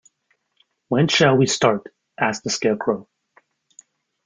When shall we start? asked the Scarecrow.